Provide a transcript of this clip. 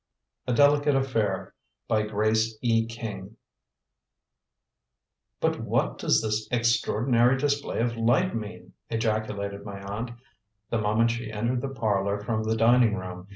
A DELICATE AFFAIR "But what does this extraordinary display of light mean?" ejaculated my aunt, the moment she entered the parlor from the dining room.